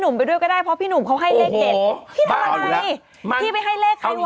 ไม่ต้องห้าบเพราะเรา๑๕๐๐บาทไปแล้ว